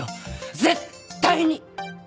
絶対に！